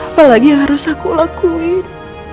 apa lagi yang harus aku lakuin